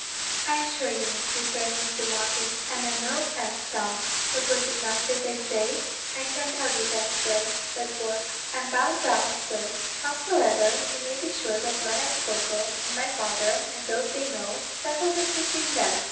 "I assure you," returned Mr. Martin, "I meant no offence, Tom; but was it not as I say?" "I can't tell you that, sir," said Bourke; "I'm bound down, sir. Howsoever, you may be sure the man I spoke of and my father, and those they know, settled it between them."